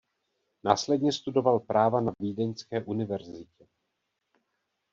Následně studoval práva na Vídeňské univerzitě.